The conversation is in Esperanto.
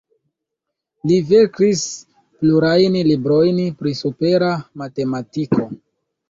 Li verkis plurajn librojn pri supera matematiko.